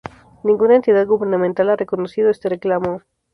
Ninguna entidad gubernamental ha reconocido este reclamo.